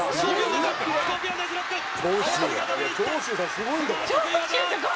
すごいんだから」